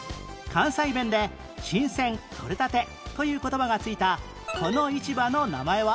関西弁で「新鮮とれたて」という言葉が付いたこの市場の名前は？